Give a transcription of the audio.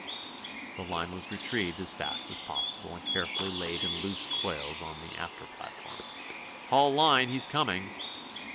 The line was retrieved as fast as possible and carefully laid in loose coils on the after platform. "Haul line, he's coming!